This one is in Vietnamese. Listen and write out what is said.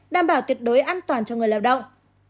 đảm bảo tuyệt đối an toàn cho người lao động